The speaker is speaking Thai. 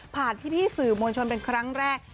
พี่สื่อมวลชนเป็นครั้งแรก